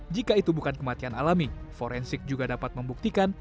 jika itu bukan kematian alami forensik juga dapat membuktikan